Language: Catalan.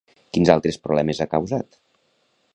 Quins altres problemes ha causat?